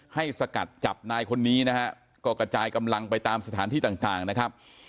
สกัดจับนายคนนี้นะฮะก็กระจายกำลังไปตามสถานที่ต่างนะครับ